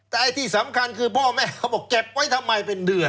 แต่ไอ้ที่สำคัญคือพ่อแม่เขาบอกเก็บไว้ทำไมเป็นเดือน